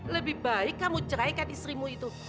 lebih baik kamu ceraikan istrimu itu